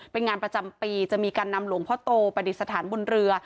เป็นงานประจำปีจะมีการนำหลวงพ่อโตปฏิสถานบนเรือ